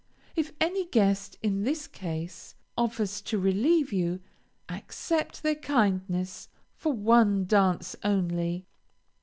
If any guest, in this case, offers to relieve you, accept their kindness for one dance only.